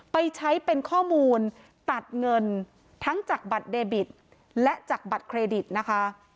ไปใช้เป็นข้อมูลตัดเงินทั้งจากบัตรเดบิตและจากบัตรเครดิตนะคะ